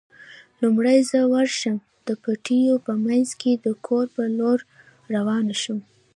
لومړی زه ورشم، د پټیو په منځ کې د کور په لور روان شوم.